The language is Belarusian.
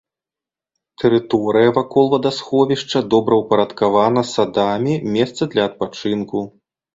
Тэрыторыя вакол вадасховішча добраўпарадкавана садамі, месца для адпачынку.